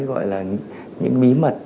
gọi là những bí mật